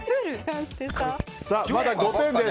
まだ５点です。